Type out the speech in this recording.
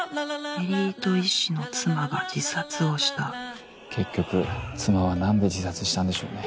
エリート医師の妻が自殺をした結局妻はなんで自殺したんでしょうね。